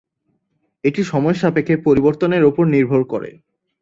এটি সময়ের সাপেক্ষে পরিবর্তনের ওপর নির্ভর করে।